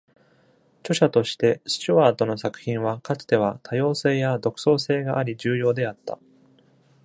著者としてスチュワートの作品は、かつては、多様性や独創性があり重要であった。